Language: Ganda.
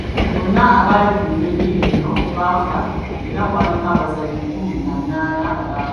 Bonna abaali ku nnyonyi eno baafa era kwaliko abazannyi kkumi na munaana balamba.